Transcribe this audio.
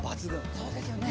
そうですよね。